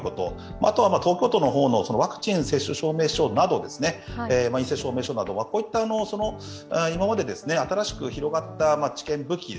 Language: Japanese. あとは東京都のワクチン接種証明書など、陰性証明書など、こういった今まで新しく広がった知見、武器